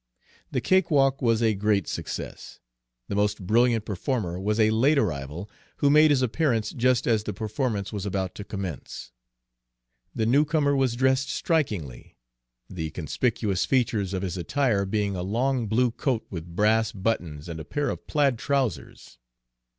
The cakewalk was a great success. The most brilliant performer was a late arrival, who made his appearance just as the performance was about to commence. The newcomer was dressed strikingly, the conspicuous features of his attire being a long blue coat with brass buttons and a pair of plaid trousers.